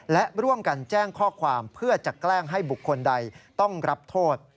และร่วมกันแจ้งข้อความเพื่อจะแกล้งให้บุคคลใดต้องรับโทษ